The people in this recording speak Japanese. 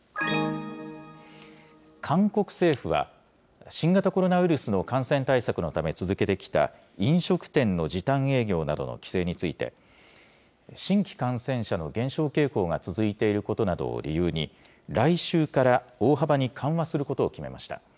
韓国政府は、新型コロナウイルスの感染対策のため続けてきた、飲食店の時短営業などの規制について、新規感染者の減少傾向が続いていることなどを理由に、来週から大幅に緩和することを決めました。